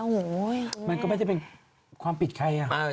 โอ้โหมันก็ไม่ได้เป็นความผิดใครอ่ะ